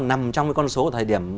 nằm trong cái con số của thời điểm